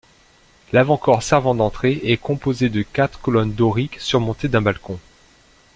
L'avant-corps servant d'entrée est composé de quatre colonnes doriques surmontées d'un balcon.